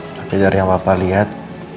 tapi dari yang bapak lihat